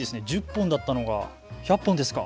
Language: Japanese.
１０本だったのが１００本ですか。